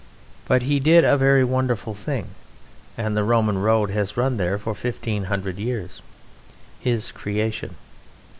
But he did a very wonderful thing, and the Roman Road has run there for fifteen hundred years his creation.